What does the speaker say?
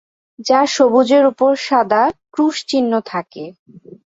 যা সবুজের উপর সাদা 'ক্রুশ' চিহ্ন থাকে।